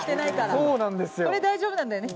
これ大丈夫なんだよね